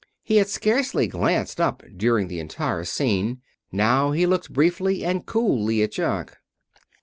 He had scarcely glanced up during the entire scene. Now he looked briefly and coolly at Jock.